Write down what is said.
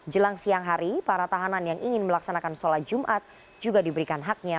jelang siang hari para tahanan yang ingin melaksanakan sholat jumat juga diberikan haknya